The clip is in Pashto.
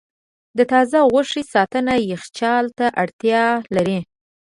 د تازه غوښې ساتنه یخچال ته اړتیا لري.